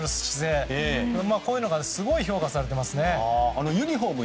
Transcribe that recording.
こういうのがすごい評価されていますね。